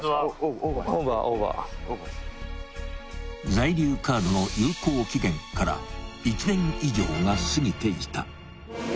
［在留カードの有効期限から１年以上が過ぎていた］